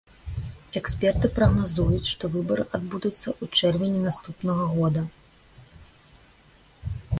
Эксперты прагназуюць, што выбары адбудуцца ў чэрвені наступнага года.